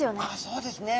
そうですね。